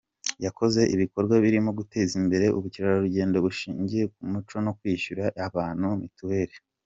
Yakoze ibikorwa birimo guteza imbere ubukerarugendo bushingiye ku umuco no kwishyurira abantu mituweri.